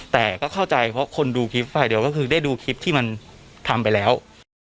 แต่ก็เข้าใจเพราะคนดูคลิปฝ่ายเดียวก็คือได้ดูคลิปที่มันทำไปแล้ว